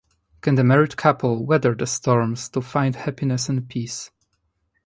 Can the married couple weather the storms to find happiness and peace?